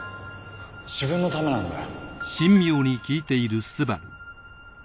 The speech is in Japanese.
自分のためなんだよ